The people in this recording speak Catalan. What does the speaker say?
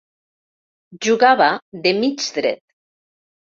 Jugava de mig dret.